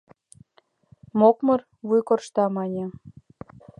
Мокмыр, вуй коршта, мане.